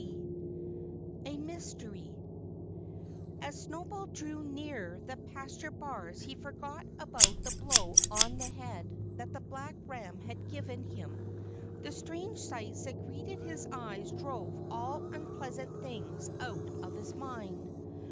XXIII A MYSTERY As Snowball drew near the pasture bars he forgot about the blow on the head that the black ram had given him. The strange sights that greeted his eyes drove all unpleasant things out of his mind.